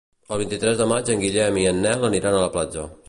El vint-i-tres de maig en Guillem i en Nel aniran a la platja.